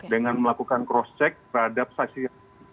dengan melakukan cross check terhadap saksi saksi